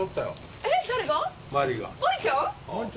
えっ？